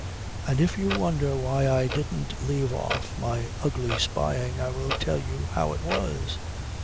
And if you wonder why I didn't leave off my ugly spying I will tell you how it was.